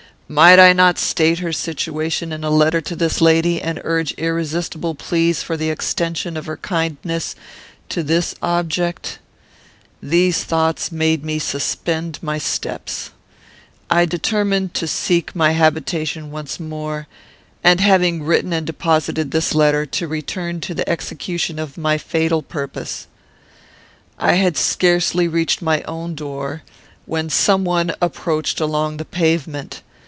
Might I not state her situation in a letter to this lady, and urge irresistible pleas for the extension of her kindness to this object? "These thoughts made me suspend my steps. I determined to seek my habitation once more, and, having written and deposited this letter, to return to the execution of my fatal purpose. I had scarcely reached my own door, when some one approached along the pavement.